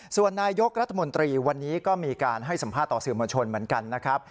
ส่วนนายกรัฐมนตรีวันนี้ก็มีการให้สัมภาษณ์ต่อสื่อมวลชนเหมือนกันนะครับ